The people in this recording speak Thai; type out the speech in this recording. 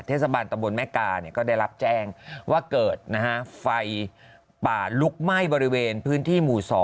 เทศบาลตำบลแม่กาก็ได้รับแจ้งว่าเกิดนะฮะไฟป่าลุกไหม้บริเวณพื้นที่หมู่๒